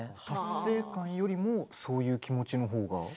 達成感というよりもそういう気持ちのほうが？